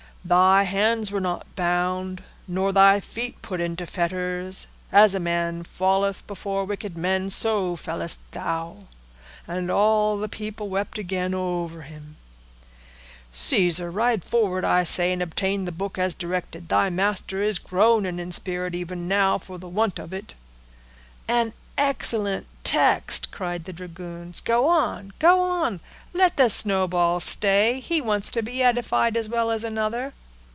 Thy hands were not bound, nor thy feet put into fetters: as a man falleth before wicked men, so fellest thou. And all the people wept again over him_.' Caesar, ride forward, I say, and obtain the book as directed; thy master is groaning in spirit even now for the want of it." "An excellent text!" cried the dragoons. "Go on—go on—let the snowball stay; he wants to be edified as well as another."